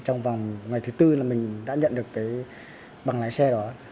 trong vòng ngày thứ tư là mình đã nhận được cái bằng lái xe đó